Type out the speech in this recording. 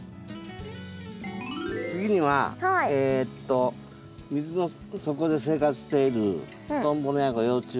次にはえと水の底で生活しているトンボのヤゴ幼虫